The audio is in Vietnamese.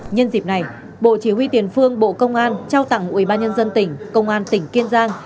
nhân dịp này bộ chỉ huy tiền phương bộ công an trao tặng ủy ban nhân dân tỉnh công an tỉnh kiên giang